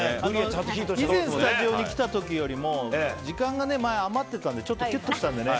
以前スタジオに来た時時間が余っていたのでちょっとキュッとしたのでね。